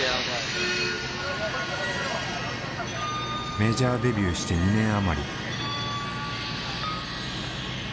メジャーデビューして２年余り。